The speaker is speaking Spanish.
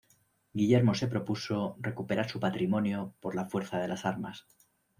Guillermo se propuso recuperar su patrimonio por la fuerza de las armas.